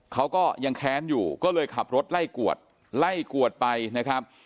เขาก็ยังแค้นอยู่ก็เลยขับรถไล่กวดไล่กวดไปนะครับ